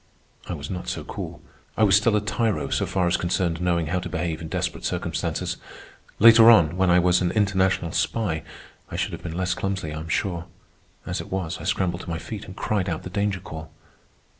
I was not so cool. I was still a tyro so far as concerned knowing how to behave in desperate circumstances. Later on, when I was an international spy, I should have been less clumsy, I am sure. As it was, I scrambled to my feet and cried out the danger call.